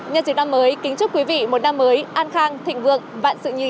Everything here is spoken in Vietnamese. nhân dịch năm mới kính chúc quý vị một năm mới an khang thịnh vượng vạn sự như ý